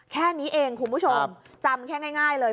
แค่นี้เองคุณผู้ชมจำแค่ง่ายเลย